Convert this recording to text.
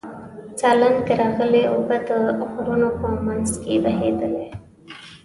سالنګ راغلې اوبه د غرونو په منځ کې بهېدلې.